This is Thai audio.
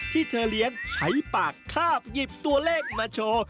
ที่เธอเลี้ยงใช้ปากคาบหยิบตัวเลขมาโชว์